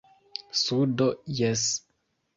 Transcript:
Sudo, jes.